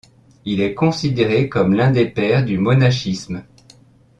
Il est considéré comme l'un des pères du monachisme.